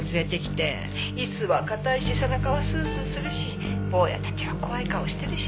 「椅子は硬いし背中はスースーするし坊やたちは怖い顔してるし」